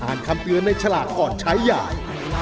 คำเตือนในฉลากก่อนใช้ใหญ่